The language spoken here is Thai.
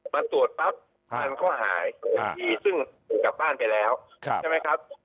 มาตรวจปั๊บมันก็หายดีซึ่งกลับบ้านไปแล้วใช่ไหมครับ